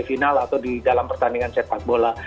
pertandingan partai final atau di dalam pertandingan sepak bola